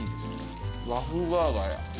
和風バーガーや。